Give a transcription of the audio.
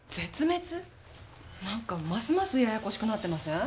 なんかますますややこしくなってません？